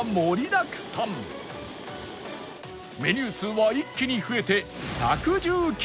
メニュー数は一気に増えて